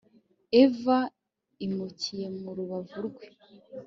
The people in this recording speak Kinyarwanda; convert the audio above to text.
eva, imukuye mu rubavu rwe